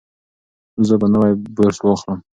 زه به نوی برس واخلم.